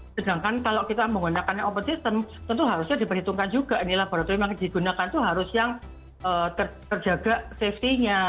sedangkan kalau kita menggunakannya open system tentu harusnya diperhitungkan juga ini laboratorium yang digunakan itu harus yang terjaga safety nya